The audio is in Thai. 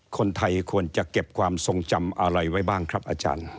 คนไทยควรจะเก็บความทรงจำอะไรไว้บ้างครับอาจารย์